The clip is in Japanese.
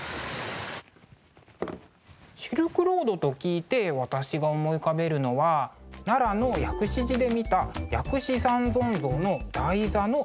シルクロードと聞いて私が思い浮かべるのは奈良の薬師寺で見た薬師三尊像の台座の裏の模様ですかね。